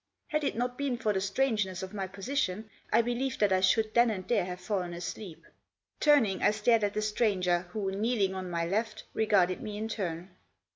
Had it not been for the strangeness of my position I believe that I should then and there have fallen asleep. Turning, I stared at the stranger, who, kneeling on my left, regarded me in turn.